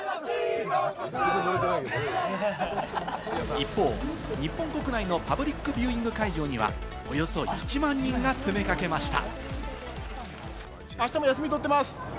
一方、日本国内のパブリックビューイング会場には、およそ１万人が詰めかけました。